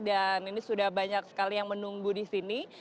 dan ini sudah banyak sekali yang menunggu di sini